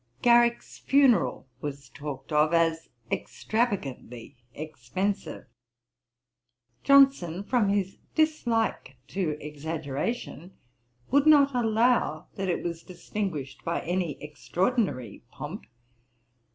Garrick's funeral was talked of as extravagantly expensive. Johnson, from his dislike to exaggeration, would not allow that it was distinguished by any extraordinary pomp.